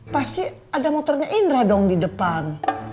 pasti ada motornya indra dong di depan